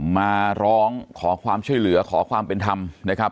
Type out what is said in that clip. มาร้องขอความช่วยเหลือขอความเป็นธรรมนะครับ